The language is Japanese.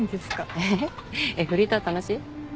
えっフリーター楽しい？